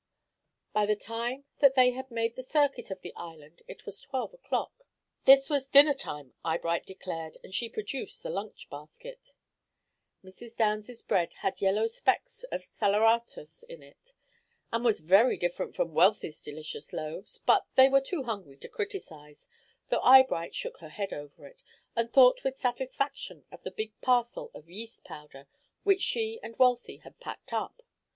By the time that they had made the circuit of the island it was twelve o'clock. This was dinner time, Eyebright declared, and she produced the lunch basket. Mrs. Downs's bread had yellow specks of saleratus in it, and was very different from Wealthy's delicious loaves; but they were too hungry to criticise, though Eyebright shook her head over it, and thought with satisfaction of the big parcel of yeast powder which she and Wealthy had packed up.